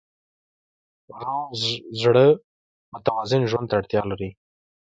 روغ زړه متوازن ژوند ته اړتیا لري.